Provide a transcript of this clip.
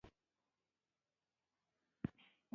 • سترګې د روغتیا په ساتنه کې مهمه برخه جوړوي.